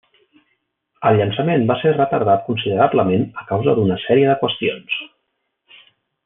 El llançament va ser retardat considerablement a causa d'una sèrie de qüestions.